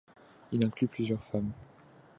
Il inclut plusieurs femmes.